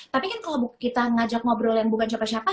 tapi kan kalau kita ngajak ngobrol yang bukan siapa siapa